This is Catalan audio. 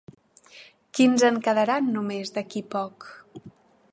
Quins en quedaran només d'aquí poc?